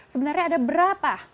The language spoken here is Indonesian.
sebenarnya ada berapa